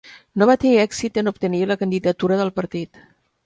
No va tenir èxit en obtenir la candidatura del partit.